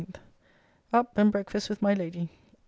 Up, and breakfast with my Lady.